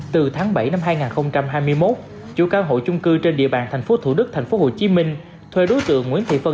từ tháng bảy năm hai nghìn hai mươi một chủ căn hộ chung cư trên địa bàn tp thủ đức tp hcm thuê đối tượng nguyễn thị phân